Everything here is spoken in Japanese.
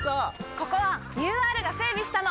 ここはＵＲが整備したの！